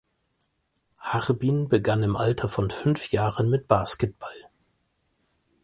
Harbin begann im Alter von fünf Jahren mit Basketball.